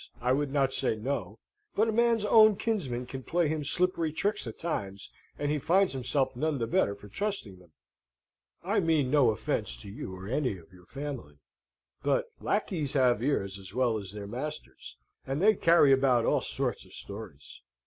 I would not say no. But a man's own kinsmen can play him slippery tricks at times, and he finds himself none the better for trusting them. I mean no offence to you or any of your family; but lacqueys have ears as well as their masters, and they carry about all sorts of stories.